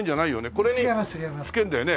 これに付けるんだよね？